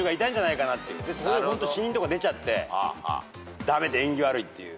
それでホント死人とか出ちゃって駄目縁起悪いっていう。